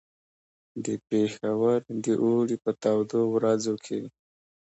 د پېښور د اوړي په تودو ورځو کې.